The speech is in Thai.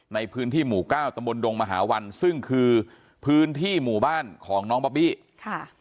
ในพื้นที่หมู่เก้าตำบลดงมหาวันซึ่งคือพื้นที่หมู่บ้านของน้องบอบบี้ค่ะ